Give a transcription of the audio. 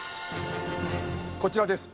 こちらです。